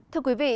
thưa quý vị